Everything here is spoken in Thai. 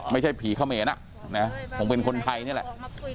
ไม่ใช่ผีเขมรคงเป็นคนไทยนี่แหละ